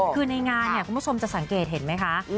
คือในงานเนี่ยคุณผู้ชมจะสังเกตเห็นไหมคะ